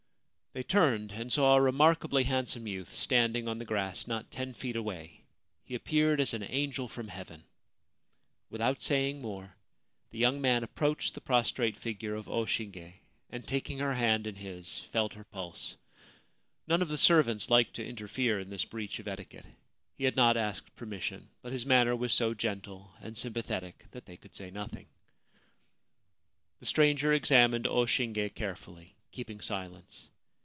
They turned, and saw a remarkably handsome youth standing on the grass not ten feet away. He appeared as an angel from Heaven. Without saying more, the young man approached the prostrate figure of O Shinge, and, taking her hand in his, felt her pulse. None of the servants liked to interfere in this breach of etiquette. He had not asked permission ; but his manner was so gentle and sympathetic that they could say nothing. The stranger examined O Shinge carefully, keeping silence.